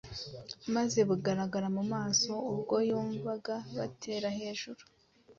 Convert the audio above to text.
maze bugaragara mu maso ubwo yumvaga batera hejuru